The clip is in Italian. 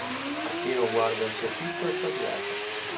Martino guarda il soffitto estasiato.